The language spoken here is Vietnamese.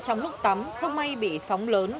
trong lúc tắm không may bị sóng lớn